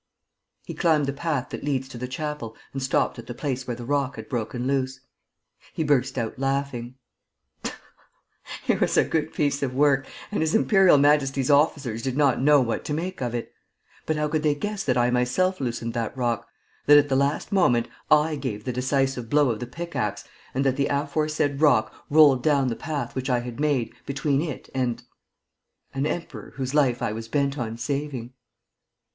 He climbed the path that leads to the chapel and stopped at the place where the rock had broken loose. He burst out laughing: "It was a good piece of work and His Imperial Majesty's officers did not know what to make of it. But how could they guess that I myself loosened that rock, that, at the last moment, I gave the decisive blow of the pick axe and that the aforesaid rock rolled down the path which I had made between it and ... an emperor whose life I was bent on saving?"